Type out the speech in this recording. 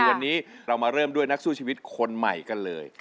วันนี้เรามาเริ่มด้วยนักสู้ชีวิตคนใหม่กันเลย